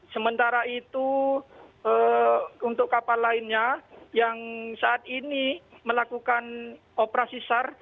sementara itu untuk kapal lainnya yang saat ini melakukan operasi sar